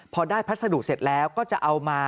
พอได้พัสดุเสร็จแล้วก็จะเอามา